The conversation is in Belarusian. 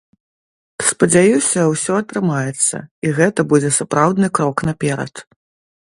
Спадзяюся, усё атрымаецца, і гэта будзе сапраўдны крок наперад.